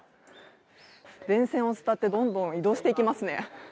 電線を伝ってどんどん移動していきますね。